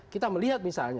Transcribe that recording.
kita melihat misalnya